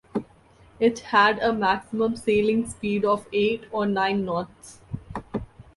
It had a maximum sailing speed of eight or nine knots.